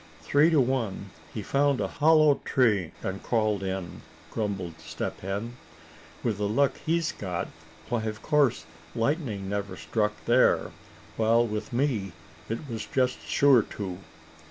"Three to one he found a hollow tree and crawled in," grumbled Step Hen. "With the luck he's got, why of course lightning never struck there; while with me it was just sure to."